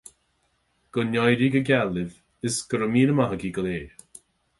Go n-éirí go geal libh is go raibh míle maith agaibh go léir